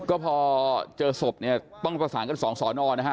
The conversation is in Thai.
ก็พอเจอศพเนี่ยต้องประสานกันสองสอนอนะฮะ